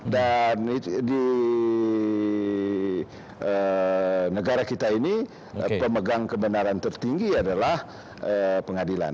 dan di negara kita ini pemegang kebenaran tertinggi adalah pengadilan